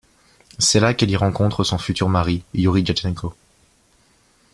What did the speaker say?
C'est là qu'elle y rencontre son futur mari, Youri Diatchenko.